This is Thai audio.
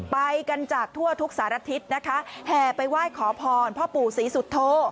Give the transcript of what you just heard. ไปกันจากทั่วทุกศาลอาทิตย์นะคะแห่ไปว่ายขอพรพ่อปู่ศรีสุทธโธ